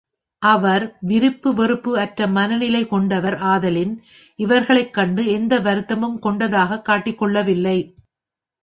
அவர் விருப்பு வெறுப்பு அற்ற மனநிலை கொண்டவர் ஆதலின் இவர்களைக் கண்டு எந்த வருத்தமும் கொண்டதாகக் காட்டிக் கொள்ளவில்லை.